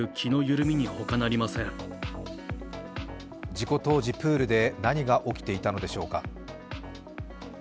事故当時、プールで何が起きていたのでしょうか。